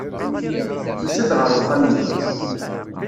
Tusa-d ɣer uxxam-inu.